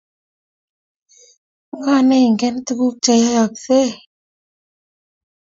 Ngo neingen tuguk cheyoyeske?